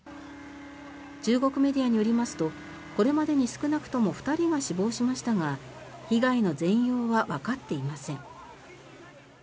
中国メディアによりますとこれまでに少なくとも２人が死亡しましたが被害の全容はわかっていません。